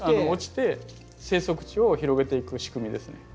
落ちて生息地を広げていく仕組みですね。